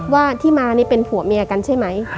ว่าที่มานี่เป็นผัวเมียกันใช่ไหม